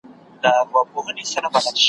بیا به بهار وي جهان به ګل وي ,